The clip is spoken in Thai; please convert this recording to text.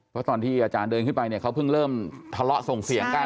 เพราะตอนที่อาจารย์เดินขึ้นไปเนี่ยเขาเพิ่งเริ่มทะเลาะส่งเสียงกัน